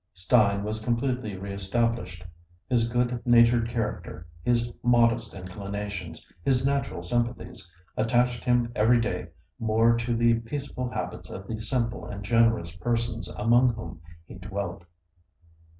Stein was completely re established; his good natured character, his modest inclinations, his natural sympathies, attached him every day more to the peaceful habits of the simple and generous persons among whom he dwelt.